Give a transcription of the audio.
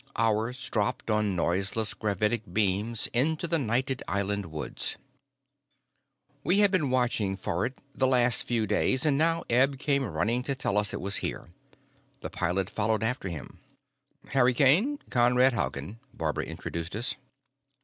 Ours dropped on noiseless gravitic beams into the nighted island woods. We had been watching for it the last few days, and now Eb came running to tell us it was here. The pilot followed after him. "Harry Kane, Conrad Haugen," Barbara introduced us.